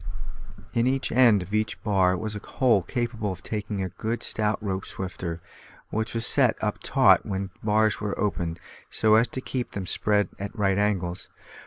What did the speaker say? In each end of each bar was a hole capable of taking a good stout rope swifter, which was set up taut when the bars were opened, so as to keep them spread at right angles.